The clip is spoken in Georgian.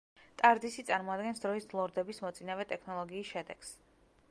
ტარდისი წარმოადგენს დროის ლორდების მოწინავე ტექნოლოგიის შედეგს.